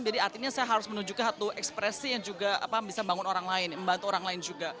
jadi artinya saya harus menunjukkan satu ekspresi yang juga bisa bangun orang lain membantu orang lain juga